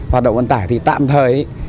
hoạt động vận tải thì tạm thời